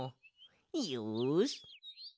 よし！